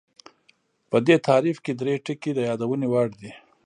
په دې تعریف کې درې ټکي د یادونې وړ دي